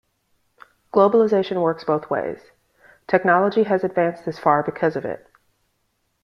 Globalization works both ways. Technology has advanced this far because of it.